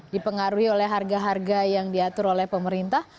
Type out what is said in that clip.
dipengaruhi oleh harga harga yang diatur oleh pemerintah